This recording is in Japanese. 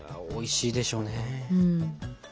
おいしいでしょうね。